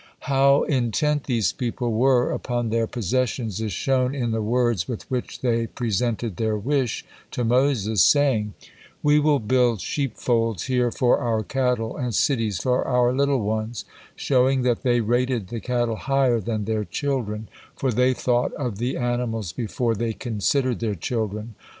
How intent these people were upon their possessions is shown in the words with which they presented their wish to Moses, saying, "We will build sheepfolds here for our cattle, and cities for our little ones," showing that they rated the cattle higher than their children, for they thought of the animals before they considered their children.